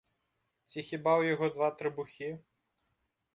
Ці хіба ў яго два трыбухі?